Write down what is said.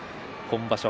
今場所